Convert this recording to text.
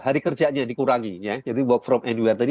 hari kerjanya yang dikuranginya jadi work from anywhere